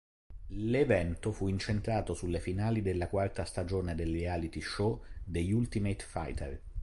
L'evento fu incentrato sulle finali della quarta stagione del reality show "The Ultimate Fighter".